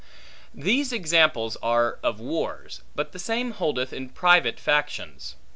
These examples are of wars, but the same holdeth in private factions.